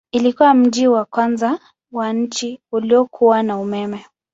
Ilikuwa mji wa kwanza wa nchi uliokuwa na umeme.